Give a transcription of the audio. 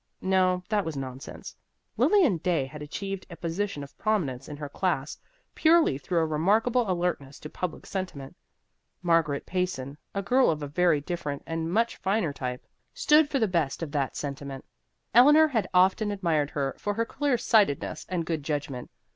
No, that was nonsense. Lilian Day had achieved a position of prominence in her class purely through a remarkable alertness to public sentiment. Margaret Payson, a girl of a very different and much finer type, stood for the best of that sentiment. Eleanor had often admired her for her clear sightedness and good judgment.